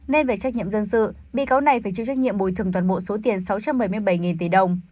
nên về trách nhiệm dân sự bị cáo này phải chịu trách nhiệm bồi thường toàn bộ số tiền sáu trăm bảy mươi bảy tỷ đồng